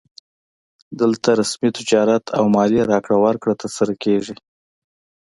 دلته رسمي تجارت او مالي راکړه ورکړه ترسره کیږي